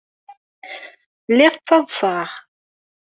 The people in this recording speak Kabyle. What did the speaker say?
Lliɣ ttaḍsaɣ.